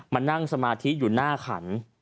มานั่งสมาธิอยู่หน้าขัน